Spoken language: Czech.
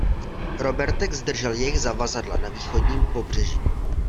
Robertek zdržel jejich zavazadla na východním pobřeží!